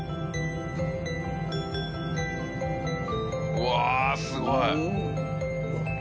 うわすごい！